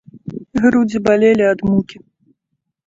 Грудзі балелі ад мукі.